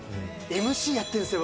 ＭＣやってるんですよ、